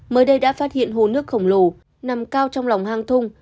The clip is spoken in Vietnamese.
mới đây đã phát hiện hồ nước khổng lồ nằm cao trong lòng hang thung